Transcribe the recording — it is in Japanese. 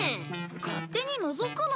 勝手にのぞくな。